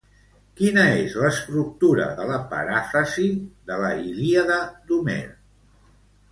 Quina és l'estructura de la paràfrasi de la Ilíada d'Homer?